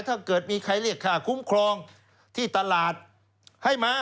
ถ้าเกิดมีใครเรียกค่าคุ้มครองที่ตลาดให้มา